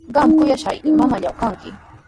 Qami kuyashqa mamallaa kanki.